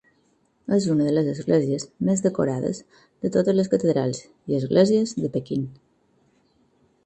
És una de les esglésies més decorades de totes les catedrals i esglésies de Pequín.